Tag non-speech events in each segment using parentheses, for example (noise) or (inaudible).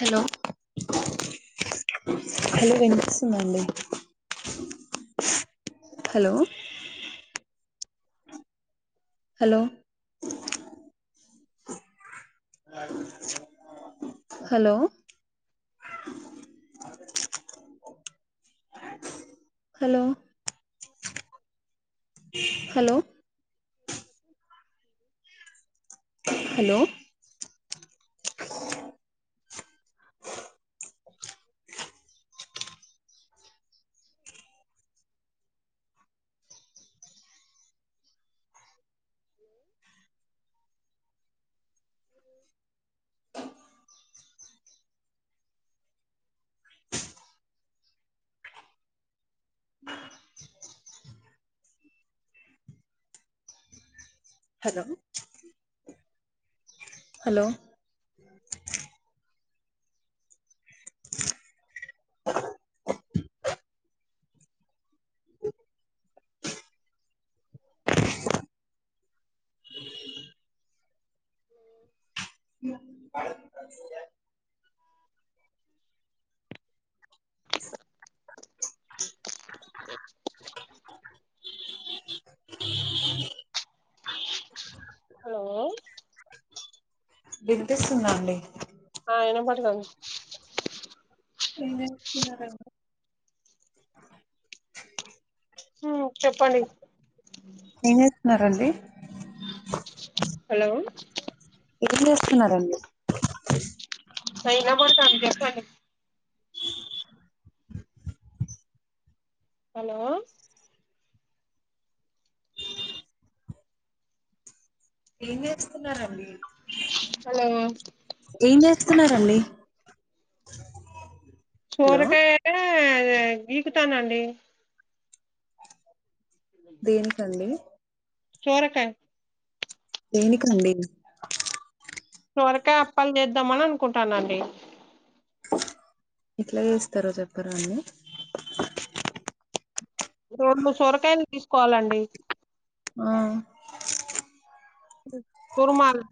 Hello hello వినిపిస్తుందండి hello hello hello hello hello (inaudible) hello hello మీరు hello hello అ ఉఓ హలో వినిపిస్తుందండి ఆ వినపడతంది (inaudible) హ్మ్, చెప్పండి న్నారండి హలో ఏం చేస్తున్నారండి (unintelligible) హలో ఇస్తున్నారండి హలో ఏం చేస్తున్నారండి హలో సోరకాయ అంటే బె గీకుతానండి దేనికండి సోరకాయ దేనికండి చివరికా అప్పాలు చేద్దామని అనుకుంటాన్నండి. ఎట్లా చేస్తారో చెప్పరా అండి రెండు సొరకాయలు తీసుకోవాలండి ఆ తురుమాలి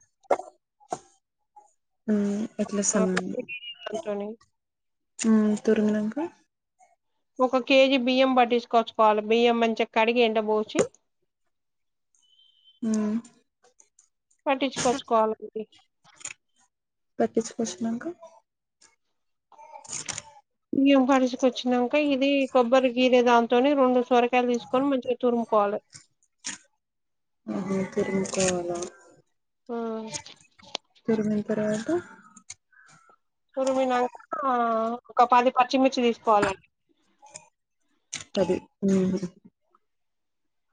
(unintelligible) (inaudible) హ్మ్ తురిమినాక ఒక కేజీ బియ్యం పట్టించుకొచ్చుకోవాలి. బియ్యం మంచిగా కడిగి ఎండ పోసి మ్మ్ పట్టించుకొచ్చుకోవాలండి. పట్టించుకొచ్చినాక బియ్యం పట్టించుకొచ్చినాక ఇది కొబ్బరి గీరే దాంతోని రెండు సొరకాయలు తీసుకొని మంచిగా తురుముకోవాలి. ఆ తురుము కోవాల ఆ తర్వాత తురుమినాక ఒక పది పచ్చిమిర్చి తీసుకోవాలండి. పది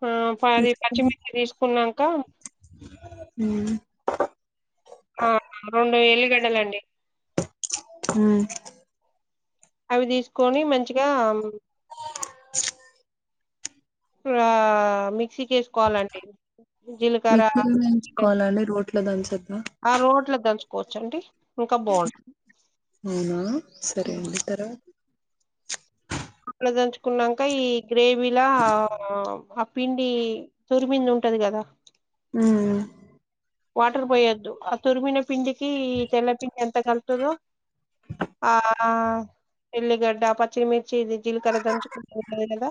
ఆ పది పచ్చిమిద తీసుకున్నాక మ్మ్ ఆ రెండు వేలుగడ్డలండి ఆ అవి తీసుకొని మంచిగా ఆ మిక్సీకేసుకోవాలండి మిక్సీ లో దంచుకోవాలా అని రోట్లో దాన్చొచ్చచా వచ్చండి అవునా సరే అండి తర్వాత ఆట్ల దంచుకున్నాక ఈ గ్రేవీలా ఆ పిండి తొరిమింద ఉంటది కదా హు వాటర్ పోయొద్దు ఆ తురిమిన పిండి కీ తెల్లపిండి ఎంత కలుతదో ఆ చెల్లిగడ్డ పచ్చిమిర్చి ఇది జీలకర్ర దంచుకుంట కదా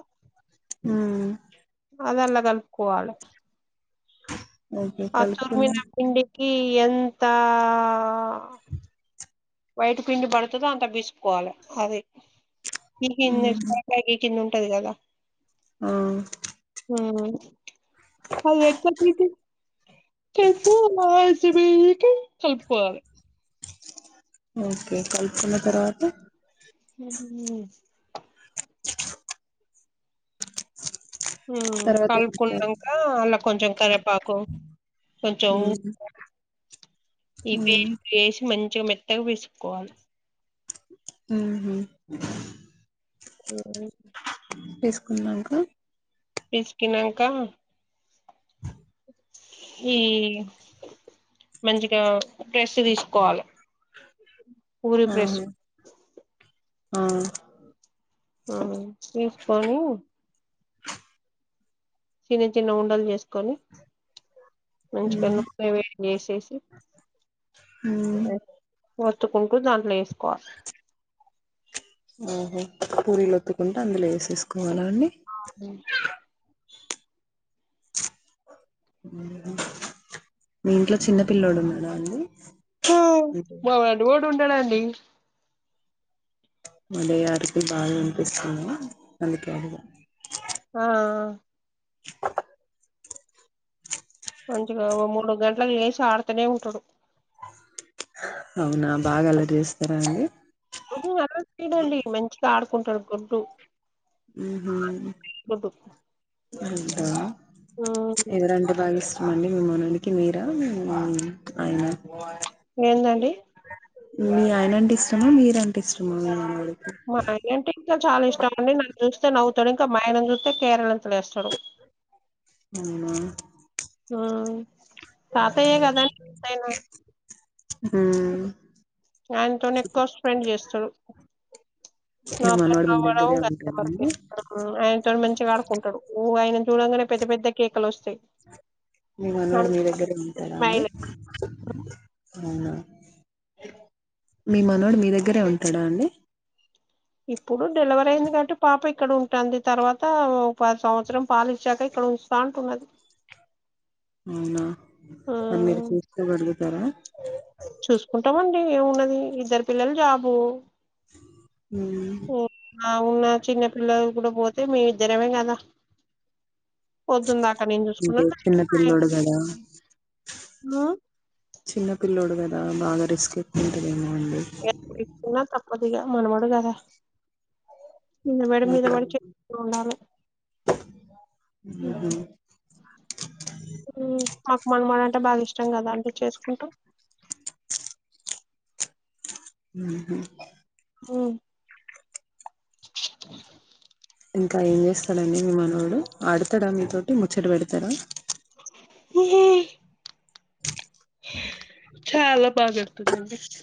మ్మ్ అది అలా కలుపుకోవాలి ఓకె కలి అరిపోయిన పిండికి ఈ ఎంత వైట్ పిండి పడుతుందో అంత బీసుకోవాలే అది ఈ మ్మ్ కంద ఈ కింద ఉంటది కదా ఆ అది ఎ (unintelligible) చెప్పాలే ఓకే కలుపుకున్న తర్వాత హ్మ్ హు మ్మ్ తర్వాత ఏం చేయాలి కలుపుకున్నాక అలా కొంచెం కరే పాకు మ్మ్ (unintelligible) చం మెత్తగా పిసుకోవాలి హ్మ్ హు మ్మ్ తీసుకునంకా తీసుకునాంక ఈ మంచిగా ప్రెస్ తీసుకోవాలి ఊరి ప్రెస్ ఆహా ఆ ఆ తీసుకోని చిన్న చిన్న ఉండలు చేసుకొని మంచిగా మ్మ్ నూనె వేడి చేసేసి మ్మ్ ఒత్తుకుంటూ దాంట్లో వేసుకోవాలి పూరీలువొత్తుకుంటే అందులో వేసేసుకోవాల అన్ని అవును మీ ఇంట్లో చిన్న పిల్లోడు ఉన్నాడా అండి అంటే మా లడ్డుగాడు ఉంటాడండి ఏ అదే అరుపులు బాగా వినిపిస్తుంది అందుకే అడిగా ఆ ఆ మంచిగా ఓ మూడు గంటలు లేసి ఆడుతనే ఉంటాడు అవునా బాగా అల్లరి చేస్తారా అండి అలా చేయాడండి మంచిగా ఆడు కుంటాడు కుంటు మ్మ్ హ్మ్ అంట ఎవరంటే బాగిస్ చమండి మిమ్మననికి మీరా మీ ఆయన ఏందండి మీ ఆయన అంటే ఇష్టమా మీరా మా ఆయన అంటే ఇంకా చాలా ఇష్టం అండి నన్ను చూ తే అవుతాడు ఇంకా మా ఆయనని చైతే కేరలింతలు లేస్తాడు అవునా ఆ తాతయ్య కదండీ ఎంతైనా మ్మ్ ఆయనతో ఎక్కువ స్పెండ్ చేస్తడు మీ మనవడు మీ దగ్గరే ఉంటాడా అండి ఆయనతోని మంచిగా ఆడుకుంటాడు ఆయన చూడంగానే పెద్ద పెద్ద కేక లోస్తయి మీ మనవాడు మీ దగ్గరే ఉంటాడ అండి స్మైలే అవును మీ మనోడు మీ దగ్గరే ఉంటాడ అండి ఇప్పుడు డెల్వరీ అయింది కంటే పాప ఇక్కడ ఉంటాంది తర్వాత పాతి సంవత్సరం పాలిచ్చూక ఇక్కడ ఉస్తా అంటున్నది అవున మరి మీరు హ్మ్ చూడుగు స్తర చూసుకుంటామండి ఏమున్నది ఇద్దరు పిల్లలు జాబు ఉమ్ అవున చిన్న పిల్లలు కూడా పోతే మీ ఇద్దరమే కదా పొద్దున్ దాక నేను చూసుకున్నా అంటే చిన్న పిల్లోడు కదా దా బాగ రిస్క్ ఉంటంది ఉమ్ అదిగాక్ మనమోడు కద నిన్న పడి మీద ఊహు పడి చేస్తు ఉండాలె మాకు మన మన అంటే బాగా కష్టం కదా అంటే చేసుకుంటూ అహ ఉమ్ ఇంకా ఏం చేస్తాడండి మీ మానవుడు ఆడతాడా మీతోోటి ముచ్చట పెడతార ఉహూ చాల బాగ టూజంటస్ (inaudible)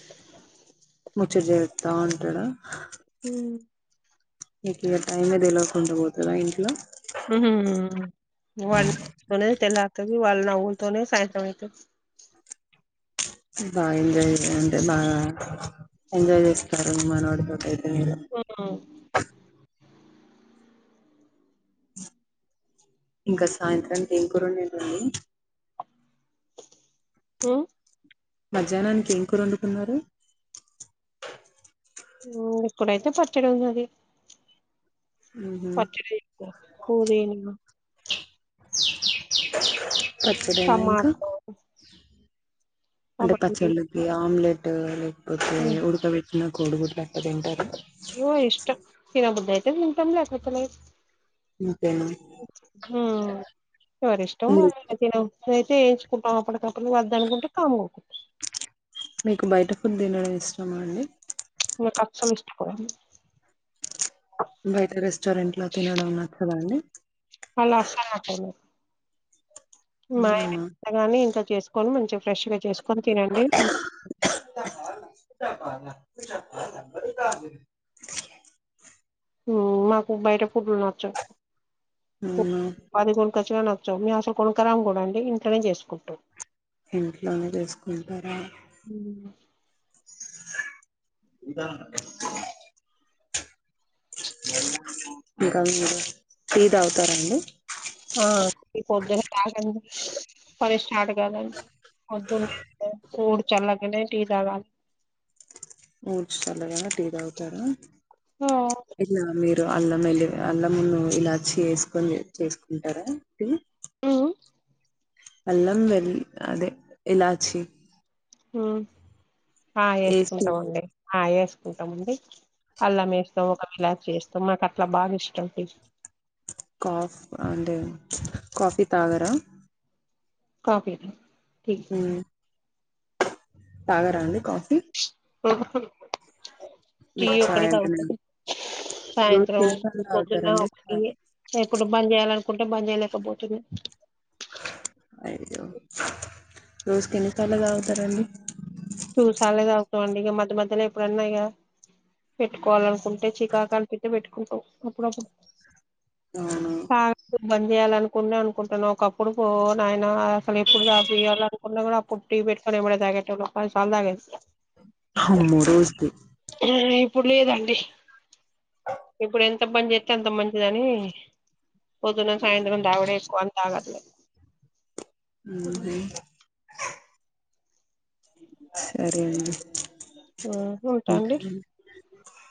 ముచ్చట జెత్తా ఉంటాడు హు నీకు ఇక టైమ్ే తెలవకుండా పోతుందా ఇంట్లో ఉహు వాల్ల తోనే తెల్లా త వాళ్ళ నవ్వుల్తోనే సాయంత్రమైత బాగా ఎంజాయ్ చే అంటే బా ఎంజాయ్ చేస్తారు మనోడి తోటి మ్ ఇంక సాయంత్రాం ఏం కూర నింటుంది హు మధ్యాహ్నానికి ఏం కూర వండుకున్నారు ఇక్కడైతే పచ్చడి ఉన్నది ఊహు పచిడి వెయిపో పదని పచ్చడినా ఇంకా టమాటో అంటే అవన్నీ పచలుకి ఆమ్లేట్ తాలు ఓకే ఉడక బేటీనా కోడుగుడ్ పెట్ట తింటారు ఇవ ఇష్ట చిన బుద్ధ అయితే ఉంటె థింటామ్ లేకపోతే లే ఇంతేనా ఉమ్ ఎవర ఇష్టం మీరు వాళ్లది ఇంకా తినబూధి అయితే తినావా కొడుకా ర అర్ధ అకుంటే కమ్కుంట మీకు బయట ఫుడ్ తినడం ఇష్టామా అండి మి కచం (unintelligible) బయట రెస్టారెంట్లో తినడం నచ్చదా అడి అలా అసలు నచ్చదు అవునా మాయగానీ ఇంతా చేసుకొని మంచిగా ఫ్రెష్గా చేసుకొని తినండి (unintelligible) ఉమ్ మాకు బయట ఉమ్ నచ్చవు అవునా పది కొనుకో ఖచ్చిగా నచ్చావు మేము అసలు కొనుకరాము కూడా అండి ఇంంటనే చేసుకుంటూ ఇంట్లోనే చేసుకుంటారా ఉమ్ ఉదారణ ఇంకా మీరు ఫీద అవుతారంండి ఆ పోదని కా ప స్టార్ట్ గల కూడు చల్ టీజ ఊడ్చు చల్లదన్న ద అవుతారా ఆ ఎట్లా మీ ఇ అల్లం వెల్లి అల్లమున్న ఇలా చేసుకొని చేసుకుంటారా ఇ ఉమ్ అల్లం వెలి అదే ఇలాచి ఉమ్ ఆ ఏసి వేసుకుంటామండి ఆ వేసుకుంటామండి అల్ల మేస్తాం ఒక విలాప్ చేస్తాం మాకట్లా భాగఇష్టం టీస్ కాఫ్ అండ్ కాఫీ తాగర కాఫీ ఉ తాగరా అండి కాఫీ ఆ టీ మీకు ఒక్కటే చాయ్ అంటేనే తాగుతాం రోజుకి సాయంత్రం ఎన్నిసార్లు పొద్దున తాగుతారండి ఇంగ చాయ్ ఎప్పుడు బంద్ చేయాలం కుంటే బని చేయలేకపోతుంది అయిదో రోజుకి ఎన్నిసార్లు తాగుతారండి చూసాలేద అవుతొంది ఇక మధ్య మధ్యలో ఎప్పుడన్నా ఇక పెట్టుకోవాల అనుకుంటు చికకాలు పెట్ అప్పుడప్పుడు అవును తాగడం బంద్ చేయాలనుకునే అనుకుంటున్నావు ఒకప్పుడు పో నాయన ఎప్పుడు (unintelligible) కొట్టి పెట్టి నేవాడు పది సార్లు దాగ అము రోజది ఇప్పుడు లేదండి. ఇప్పుడు ఎంత పని చేతే అంత మంచిదని పొద్దున్న సాయంత్రం తాగుడు ఏసుకొని తాగట్లేదు. ఉహు సరే అండి ఆ ఉంట అండి అ